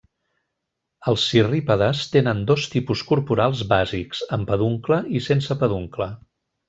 Els cirrípedes tenen dos tipus corporals bàsics: amb peduncle i sense peduncle.